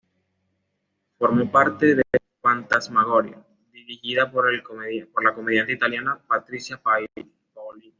Formó parte de "Phantasmagoria" dirigida por la comediante italiana Patricia Paolini.